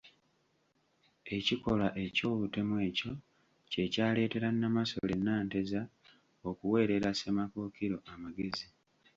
Ekikolwa eky'obutemu ekyo kye kyaleetera Namasole Nanteza okuweerera Ssemakookiro amagezi.